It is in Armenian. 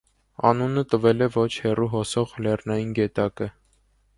Անունը տվել է ոչ հռու հոսող լեռնային գետակը։